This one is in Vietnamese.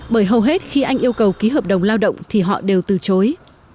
bởi hầu hết khi anh yêu cầu ký hợp đồng lao động thì họ đều từ chối